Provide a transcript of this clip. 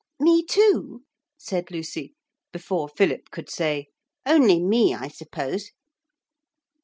'Me too?' said Lucy, before Philip could say, 'Only me, I suppose?'